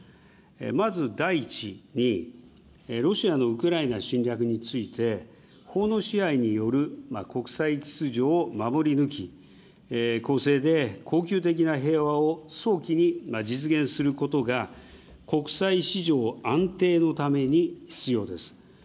まず第１に、ロシアのウクライナ侵略について、法の支配による国際秩序を守り抜き、公正で恒久的な平和を早期に実現することが、国際市場安定のために必要です。